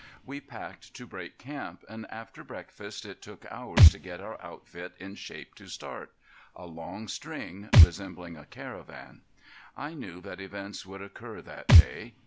We packed to break camp, and after breakfast it took hours to get our outfit in shape to start a long string, resembling a caravan. I knew that events would occur that day.